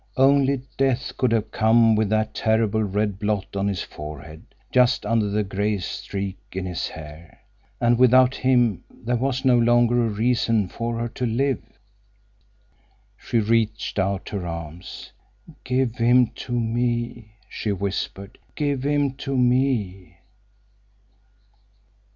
Only death could have come with that terrible red blot on his forehead, just under the gray streak in his hair. And without him there was no longer a reason for her to live. She reached out her arms. "Give him to me," she whispered. "Give him to me."